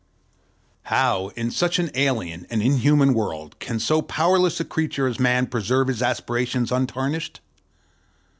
How, in such an alien and inhuman world, can so powerless a creature as Man preserve his aspirations untarnished?